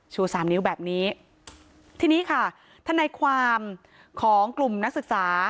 ชูสามนิ้วแบบนี้ทีนี้ค่ะทนายความของกลุ่มนักศึกษา